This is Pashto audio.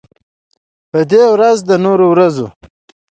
په دې ورځ د نورو ورځو